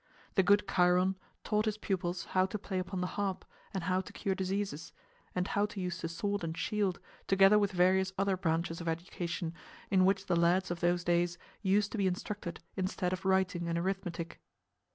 The good Chiron taught his pupils how to play upon the harp, and how to cure diseases, and how to use the sword and shield, together with various other branches of education in which the lads of those days used to be instructed instead of writing and arithmetic.